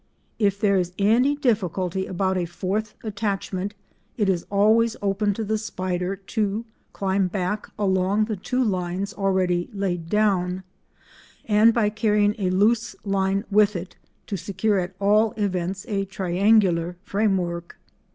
If there is any difficulty about a fourth attachment it is always open to the spider to climb back along the two lines already laid down, and by carrying a loose line with it, to secure at all events a triangular frame work.